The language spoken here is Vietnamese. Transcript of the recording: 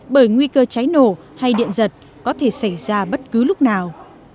bởi nguy cơ cháy nổ hay điện giật có thể xảy ra bất cứ lúc nào